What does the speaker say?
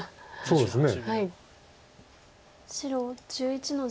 そうですね。